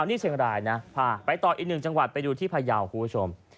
นี่เชียงรายนะไปต่ออีกหนึ่งจังหวัดไปดูที่พยาวคุณผู้ชม